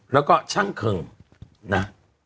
แล้วก็ชั่งเคิ่งนะ